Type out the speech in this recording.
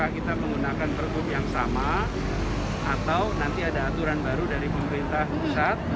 kita menggunakan pergub yang sama atau nanti ada aturan baru dari pemerintah pusat